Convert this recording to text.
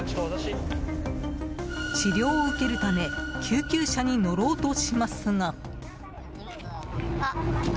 治療を受けるため救急車に乗ろうとしますが。